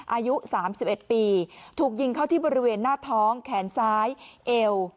อายุ๓๑ปีถูกยิงเข้าที่บริเวณหน้าท้องแขนซ้ายเอว